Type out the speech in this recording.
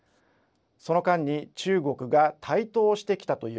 その間に中国が台頭してきたという